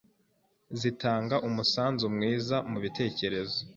zitanga umusanzu mwiza mu bitekerezo